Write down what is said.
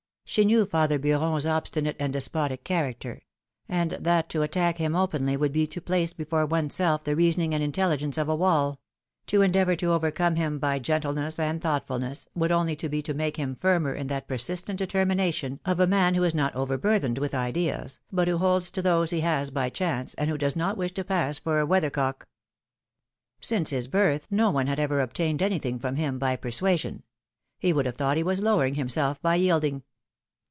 She knew father Beuron's obstinate and despotic character; and that to attack him openly would be to place before one's self the reasoning and intelligence of a wall; to endeavor to overcome him by gentleness and thoughtfulness would only be to make him firmer in that persistent determina tion of a man who is not overburthened with ideas, but who holds to those he has by chance, and who does not wish to pass for a weather cock. Since his birth no one PHILOMi]XE's MAERIAGES. 239 had ever obtained anything from him by persuasion ; he would have thought he was lowering himself by yielding.